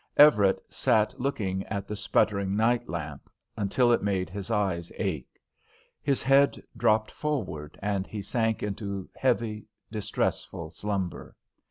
Everett sat looking at the sputtering night lamp until it made his eyes ache. His head dropped forward, and he sank into heavy, distressful slumber.